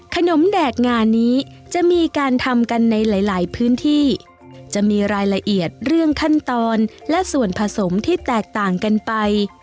แดกงานนี้จะมีการทำกันในหลายพื้นที่จะมีรายละเอียดเรื่องขั้นตอนและส่วนผสมที่แตกต่างกันไป